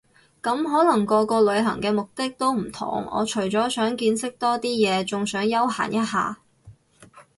咁可能個個旅行嘅目的都唔同我除咗想見識多啲嘢，仲想休閒一下